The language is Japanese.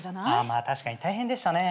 確かに大変でしたね。